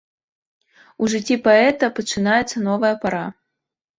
У жыцці паэта пачынаецца новая пара.